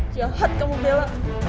jahat kamu bella